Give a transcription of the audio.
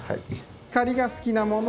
光が好きなもの